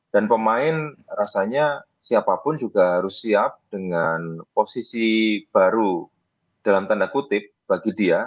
dan pemain rasanya siapapun juga harus siap dengan posisi baru dalam tanda kutip bagi dia